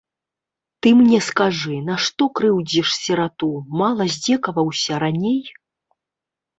Ты мне скажы, нашто крыўдзіш сірату, мала здзекаваўся раней?